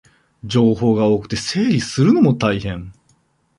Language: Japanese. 情報が多くて整理するのも大変